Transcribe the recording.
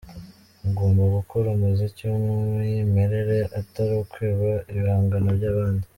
Mugomba gukora umuziki w’umwimerere atari ukwiba ibihangano by’abandi.